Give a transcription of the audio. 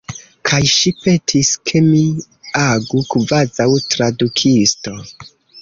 Kaj ŝi petis, ke mi agu kvazaŭ tradukisto.